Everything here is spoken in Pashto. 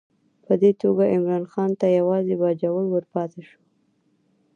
په دې توګه عمرا خان ته یوازې باجوړ ورپاته شو.